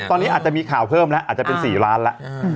ตอนนี้อาจจะมีข่าวเพิ่มแล้วอาจจะเป็น๔ล้านแล้ว